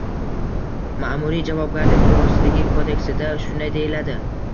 Ma’muriy javobgarlik to‘g‘risidagi kodeksida shunday deyiladi: